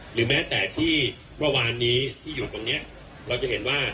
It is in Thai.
หรือแม้แต่ที่เมื่อวานนี้ที่อยู่ตรงนี้เราจะเห็นว่า